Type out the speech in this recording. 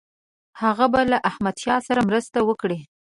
هغه به له احمدشاه سره مرسته وکړي.